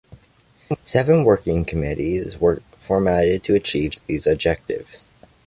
Seven working committees were formed to achieve these objectives.